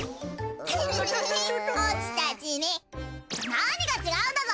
何が違うんだぞ！